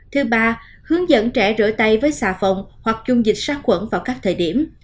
thứ ba hướng dẫn trẻ rửa tay với xà phòng hoặc dung dịch sát khuẩn vào các thời điểm